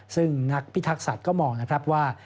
ซึ่งนักพิทักษัตริย์ก็มองนะครับว่า